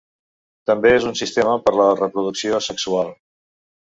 També és un sistema per la reproducció asexual.